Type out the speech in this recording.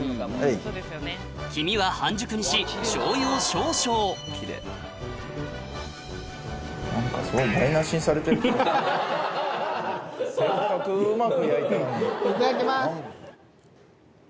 黄身は半熟にししょうゆを少々いただきます。